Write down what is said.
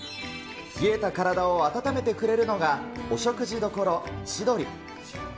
冷えた体を温めてくれるのが御食事処ちどり。